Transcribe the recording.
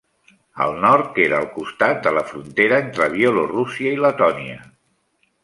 Al nord queda al costat de la frontera entre Bielorússia i Letònia.